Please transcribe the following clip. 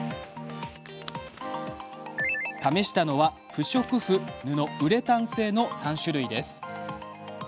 試したのは、不織布、布ウレタン製の３種類です。